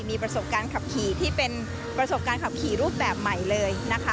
มีประสบการณ์ขับขี่ที่เป็นประสบการณ์ขับขี่รูปแบบใหม่เลยนะคะ